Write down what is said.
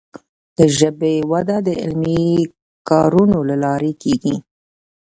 د ژبي وده د علمي کارونو له لارې کیږي.